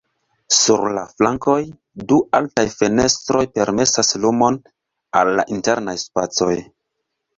Sur la flankoj, du altaj fenestroj permesas lumon al la internaj spacoj.